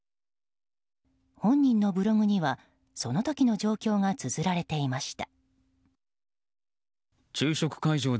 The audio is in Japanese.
本人のブログにはその時の状況がつづられていました。